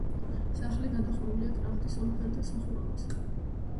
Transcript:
სახლი გადახურულია კრამიტის ორფერდა სახურავით.